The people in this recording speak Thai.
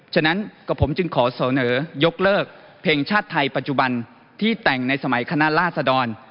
ฉะนั้นกับผมจึงขอเสนอยกเลิกเพลงชาติไทยปัจจุบันที่แต่งในสมัยคณะลาศดร